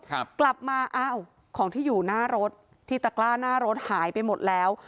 กลับมาอ้าวของที่อยู่หน้ารถที่ตะกล้าหน้ารถหายไปหมดแล้ว